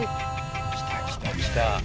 きたきたきた。